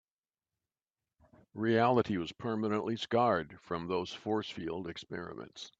Reality was permanently scarred from those force field experiments.